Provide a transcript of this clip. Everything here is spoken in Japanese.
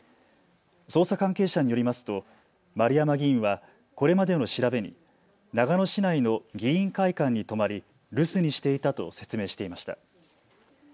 捜査関係者によりますと丸山議員はこれまでの調べに長野市内の議員会館に泊まり留守にしていたと説明していました。